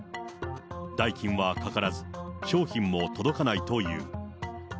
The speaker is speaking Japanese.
代金はかからず、商品も届かないという。